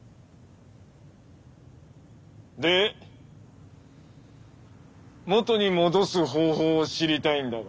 で「元」に戻す方法を知りたいんだが？